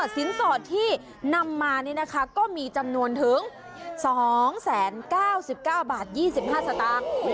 สินสอดที่นำมานี่นะคะก็มีจำนวนถึง๒๐๙๙บาท๒๕สตางค์